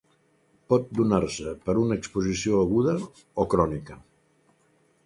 Pot donar-se per una exposició aguda o crònica.